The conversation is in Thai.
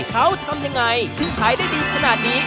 เขาทำยังไงถึงขายได้ดีขนาดนี้